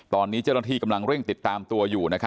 ตอนนี้เจ้าหน้าที่กำลังเร่งติดตามตัวอยู่